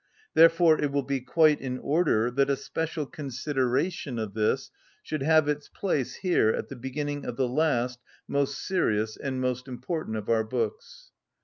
Therefore it will be quite in order that a special consideration of this should have its place here at the beginning of the last, most serious, and most important of our books.